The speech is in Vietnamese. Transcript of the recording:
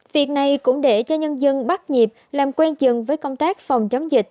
việc này cũng để cho nhân dân bắt nhịp làm quen chừng với công tác phòng chống dịch